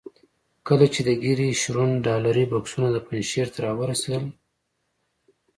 کله چې د ګیري شرون ډالري بکسونه پنجشیر ته را ورسېدل.